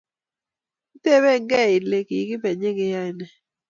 Itebekei Ile kikibe nyikeyaine